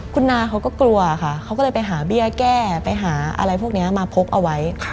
คุณนาเขาก็กลัวค่ะเขาก็เลยไปหาเบี้ยแก้ไปหาอะไรพวกนี้มาพกเอาไว้